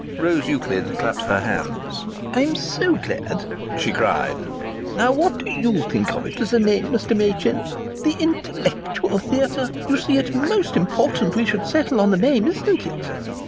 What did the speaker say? Rose Euclid clapped her hands. "I'm so glad!" she cried. "Now what do you think of it as a name, Mr. Machin 'The Intellectual Theatre'? You see it's most important we should settle on the name, isn't it?"